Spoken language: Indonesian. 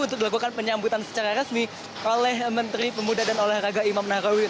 untuk dilakukan penyambutan secara resmi oleh menteri pemuda dan olahraga imam nahrawi